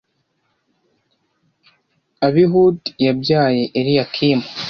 Abihudi yabyaye Eliyakimu,